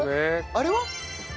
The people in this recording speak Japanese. あれは？